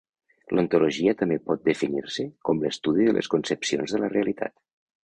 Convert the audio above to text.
L'ontologia també pot definir-se com l'estudi de les concepcions de la realitat.